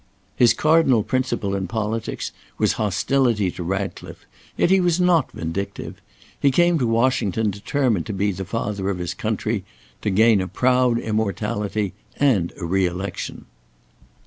His cardinal principle in politics was hostility to Ratcliffe, yet he was not vindictive. He came to Washington determined to be the Father of his country; to gain a proud immortality and a re election.